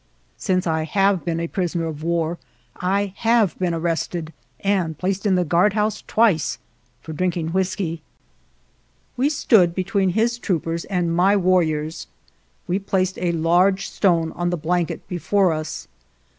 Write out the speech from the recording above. ( Since I have been a prisoner of war I have been arrested and placed in the guardhouse twice for drinking whisky.) We stood between his troopers and my 146 THE FINAL STRUGGLE warriors. We placed a large stone on the blanket before us.